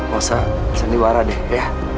bisa sendirian deh ya